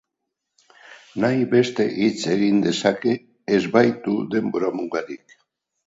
Nahi beste hitz egin dezake, ez baitu denbora mugarik.